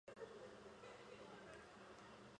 韦森多尔夫是德国下萨克森州的一个市镇。